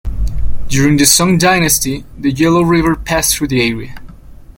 During the Song Dynasty, the Yellow River passed through the area.